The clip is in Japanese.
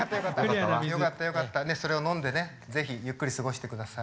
よかったよかったそれを飲んでね是非ゆっくり過ごしてください。